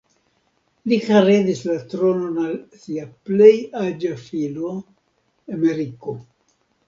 Li heredis la tronon al sia plej aĝa filo, Emeriko.